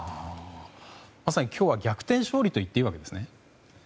まさに今日は逆転勝利と言っていいわけですね。